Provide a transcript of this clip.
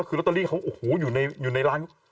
คือลอตเตอรี่เขาโอ้โหอยู่ในร้าน